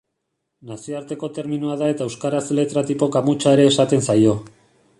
Nazioarteko terminoa da eta euskaraz letra-tipo kamutsa ere esaten zaio.